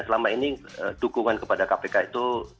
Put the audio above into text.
selama ini dukungan kepada kpk itu